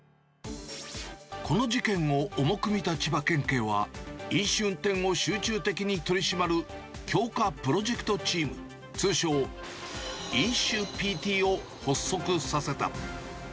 この事件を重く見た千葉県警は、飲酒運転を集中的に取り締まる強化プロジェクトチーム、通称、飲酒ＰＴを発足させた。